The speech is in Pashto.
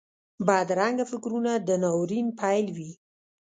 بدرنګه فکرونه د ناورین پیل وي